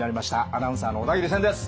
アナウンサーの小田切千です。